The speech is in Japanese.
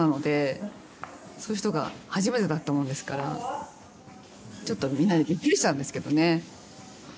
そういう人が初めてだったもんですからちょっとみんなでびっくりしたんですけどね。